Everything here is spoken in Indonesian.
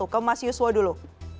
ke mas yuswo dulu